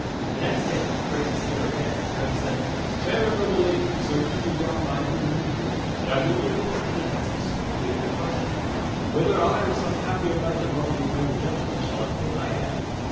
The next day he craved to see her again, and then said: 'Fair and noble lady, so deeply doth thy beauty move me, that I am eager to put to the test swiftly the question whether I or some other happier knight among these noble gentlemen shall obtain thy hand.